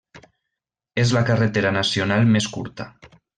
És la carretera nacional més curta.